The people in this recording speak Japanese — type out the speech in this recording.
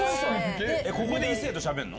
ここで異性としゃべるの？